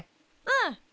うん！